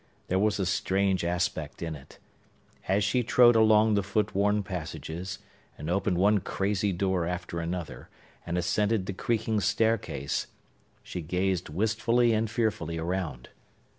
There was a strange aspect in it. As she trode along the foot worn passages, and opened one crazy door after another, and ascended the creaking staircase, she gazed wistfully and fearfully around.